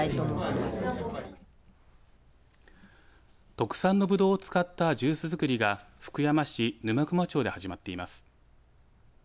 特産のぶどうを使ったジュース作りが福山市沼隈町で始まっています。